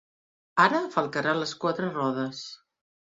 Ara falcarà les quatre rodes.